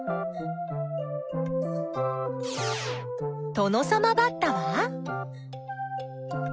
トノサマバッタは？